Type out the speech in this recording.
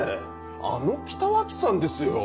あの北脇さんですよ？